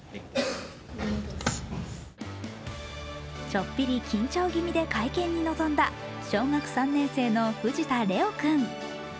ちょっぴり緊張気味で会見に臨んだ小学３年生の藤田怜央君。